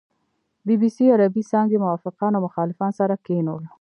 بي بي سي عربې څانګې موافقان او مخالفان سره کېنول.